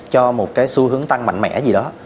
cho một cái xu hướng tăng mạnh mẽ gì đó